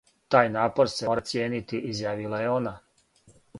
"Тај напор се мора цијенити," изјавила је она.